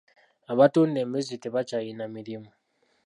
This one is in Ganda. Abatunda embizzi tebakyalina mirimu.